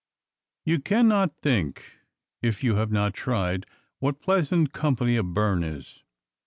You cannot think, if you have not tried, what pleasant company a burn is.